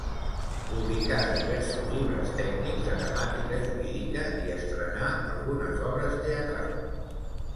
Publicà diversos llibres tècnics de temàtica jurídica i estrenà algunes obres teatrals.